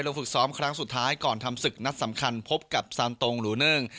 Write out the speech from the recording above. ฝึกซ้อมครั้งสุดท้ายก่อนทำศึกนัดสำคัญพบกับซานตรงหลูเนิ่ง